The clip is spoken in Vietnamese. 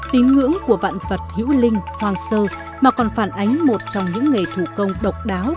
tín ngưỡng của vạn vật hữu linh hoàng sơ mà còn phản ánh một trong những nghề thủ công độc đáo